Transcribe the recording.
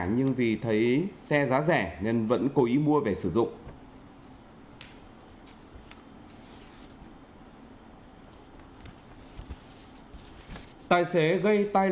nhưng vì thấy xe giá rẻ nên vẫn cố ý mua về sử dụng